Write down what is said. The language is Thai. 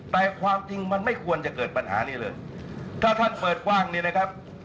แต่ความจริงมันไม่ควรจะเกิดปัญหานี้เลยถ้าท่านเปิดกว้างนี่นะครับ